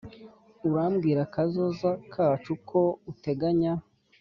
urambwira kazoza kacu ko uteganya: